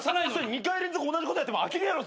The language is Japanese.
２回連続同じことやっても飽きるやろ。